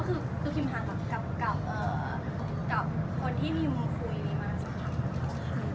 ก็คือตุ๊กพิมพ์หากับคนที่พี่มีคุยมาสัมผัสกับเขาค่ะ